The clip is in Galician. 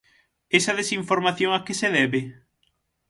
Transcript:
Esa desinformación a que se debe?